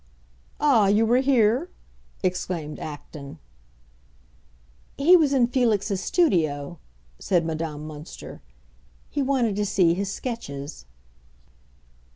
"Ah, you were here?" exclaimed Acton. "He was in Felix's studio," said Madame Münster. "He wanted to see his sketches."